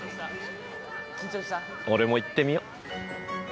俺も行ってみよ。